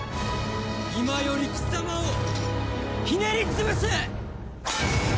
今より貴様をひねり潰す！